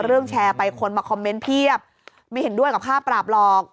พอเรื่องแชร์ไปคนมาคอมเมนต์เพียบไม่เห็นด้วยกับภาพปราบหรอก